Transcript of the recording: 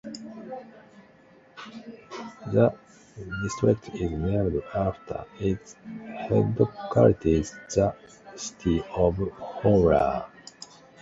The district is named after its headquarters, the city of Howrah.